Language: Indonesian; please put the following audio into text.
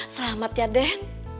selamat ya dan